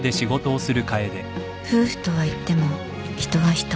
夫婦とはいっても人は人